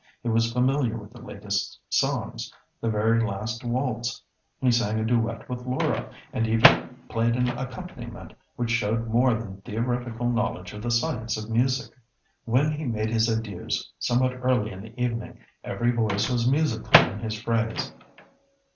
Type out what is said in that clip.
He was familiar with the latest songs, the very last waltz; he sang a duet with Laura, and even played an accompaniment which showed more than theoretical knowledge of the science of music. When he made his adieux somewhat early in the evening, every voice was musical in his praise.